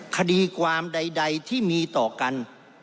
คดีความใดที่มีต่อกัน